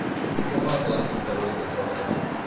Com va el clàssic d'avui contra el Madrid?